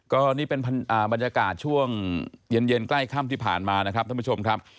ก็นี่เป็นบรรยากาศช่วงเย็นใกล้ค่ำที่ผ่านมานะครับท่านผู้ชมครับ